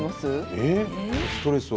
えっ？